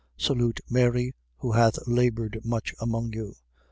Salute Mary, who hath laboured much among you.